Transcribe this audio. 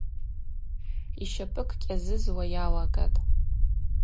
Йщапӏыкӏ кӏьазызуа йалагатӏ.